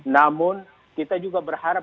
namun kita juga berharap